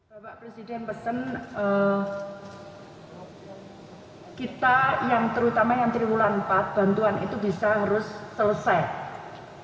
bapak presiden pesan kita yang terutama yang triwulan empat